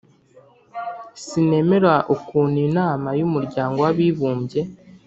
Sinemera ukuntu Inama y'Umuryango w'Abibumbye